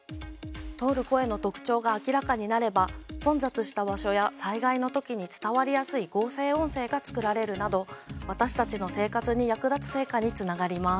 通る声の特徴が明らかになれば混雑した場所や災害の時に伝わりやすい合成音声が作られるなど私たちの生活に役立つ成果につながります。